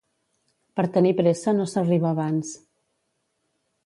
Per tenir pressa no s'arriba abans.